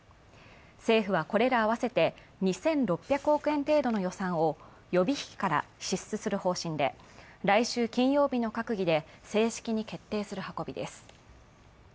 政府はこれら合わせて２６００億円程度の予算を予備費から支出する方針で来週金曜日の閣議で正式に決定する運びです。